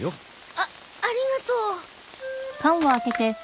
あありがとう。